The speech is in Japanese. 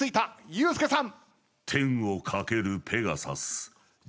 ユースケさん！